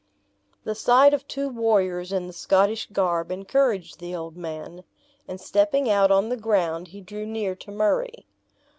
The sight of two warriors in the Scottish garb encouraged the old man; and stepping out on the ground, he drew near to Murray.